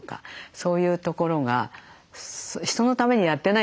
そういうところが人のためにやってないんですよね。